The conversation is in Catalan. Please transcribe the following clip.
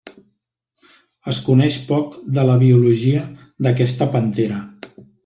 Es coneix poc de la biologia d'aquesta pantera.